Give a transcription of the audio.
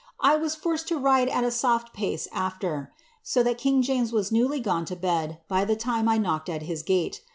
1 was forced to ride at a sof^ pace after, so that king James was newly gone to bed, by the time I knocked at his gate.